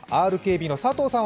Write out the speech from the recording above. ＲＫＢの佐藤さん